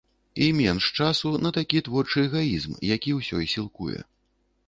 І менш часу на такі творчы эгаізм, які ўсё і сілкуе.